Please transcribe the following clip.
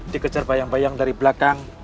dikejar bayang bayang dari belakang